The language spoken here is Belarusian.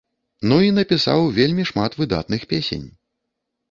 Ну і напісаў вельмі шмат выдатных песень.